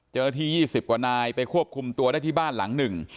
จนนาทียี่สิบกว่านายไปควบคุมตัวได้ที่บ้านหลังหนึ่ง